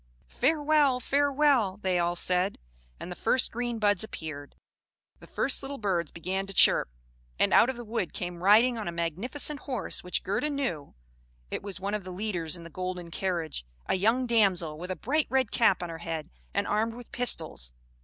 "Farewell! Farewell!" they all said. And the first green buds appeared, the first little birds began to chirrup; and out of the wood came, riding on a magnificent horse, which Gerda knew (it was one of the leaders in the golden carriage), a young damsel with a bright red cap on her head, and armed with pistols.